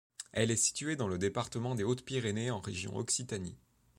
Elle est située dans le département des Hautes-Pyrénées en région Occitanie.